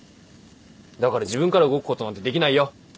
だから自分から動くことなんてできないよ！